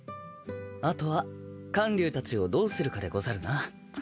あとは観柳たちをどうするかでござるな。